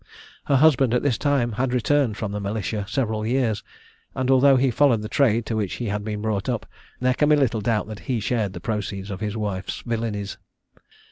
Her husband at this time had returned from the militia several years, and although he followed the trade to which he had been brought up, there can be little doubt that he shared the proceeds of his wife's villanies.